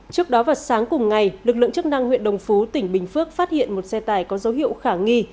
trước đó vào sáng cùng ngày lực lượng chức năng huyện đồng phú tỉnh bình phước phát hiện một xe tải có dấu hiệu khả nghi